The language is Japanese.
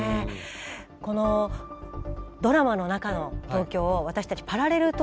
このドラマの中の東京を私たちパラレル東京と名付けました。